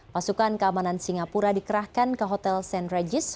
pasukan keamanan singapura dikerahkan ke hotel st regis